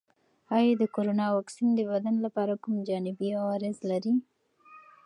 آیا د کرونا واکسین د بدن لپاره کوم جانبي عوارض لري؟